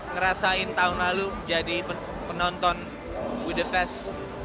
ngerasain tahun lalu jadi penonton we the fest